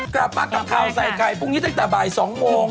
กลับมากับข่าวใส่ไข่พรุ่งนี้ตั้งแต่บ่าย๒โมง